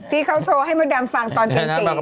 ที่เขาโทรให้มดดำฟังตอนตี๔